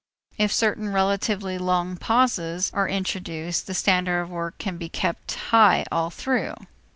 If certain relatively long pauses are introduced, the standard of work can be kept high all through.